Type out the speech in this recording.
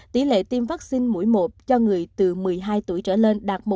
tỷ lệ tiêm vaccine mỗi một cho người từ một mươi hai tuổi trở lên đạt một trăm linh bốn